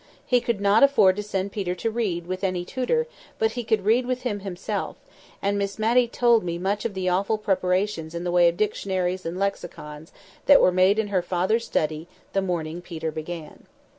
He could not afford to send Peter to read with any tutor, but he could read with him himself; and Miss Matty told me much of the awful preparations in the way of dictionaries and lexicons that were made in her father's study the morning Peter began.